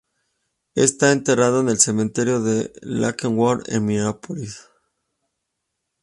Está enterrado en el cementerio de Lakewood, en Minneapolis.